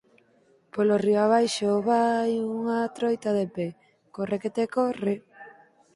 Polo río abaixo vai unha troita de pé, corre que te corre.